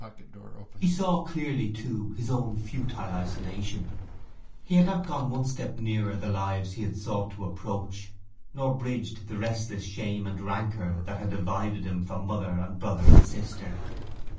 He saw clearly, too, his own futile isolation. He had not gone one step nearer the lives he had sought to approach nor bridged the restless shame and rancour that had divided him from mother and brother and sister.